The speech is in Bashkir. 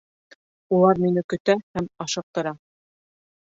Улар мине көтә һәм ашыҡтыра.